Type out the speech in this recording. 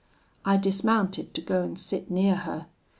I dismounted to go and sit near her.